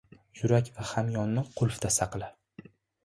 • Yurak va hamyonni qulfda saqla.